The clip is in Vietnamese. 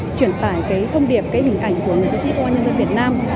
truyền tải cái thông điệp cái hình ảnh của người chiến sĩ công an nhân dân việt nam